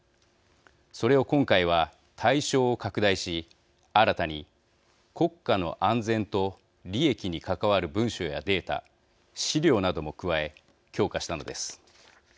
それを今回は、対象を拡大し新たに国家の安全と利益に関わる文書やデータ、資料なども加え強化したのです。